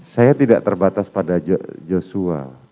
saya tidak terbatas pada joshua